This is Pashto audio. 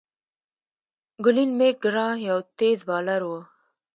گلين میک ګرا یو تېز بالر وو.